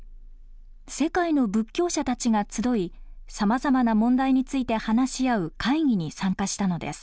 世界の仏教者たちが集いさまざまな問題について話し合う会議に参加したのです。